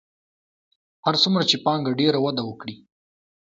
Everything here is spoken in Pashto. هر څومره چې پانګه ډېره وده وکړي